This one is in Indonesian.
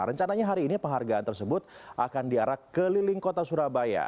rencananya hari ini penghargaan tersebut akan diarak keliling kota surabaya